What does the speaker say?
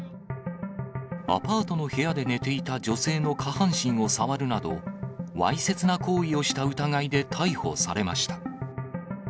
アパートの部屋で寝ていた女性の下半身を触るなど、わいせつな行為をした疑いで逮捕されました。